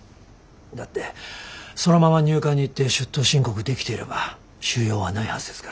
だってそのまま入管に行って出頭申告できていれば収容はないはずですから。